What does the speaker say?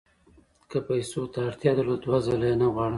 که پیسو ته اړتیا درلوده دوه ځله یې نه غواړم.